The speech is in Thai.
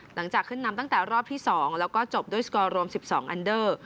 หลังจากขึ้นนำตั้งแต่รอบที่๒แล้วก็จบด้วยสกอร์รวม๑๒อันเดอร์